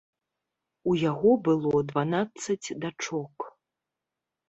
У яго было дванаццаць дачок.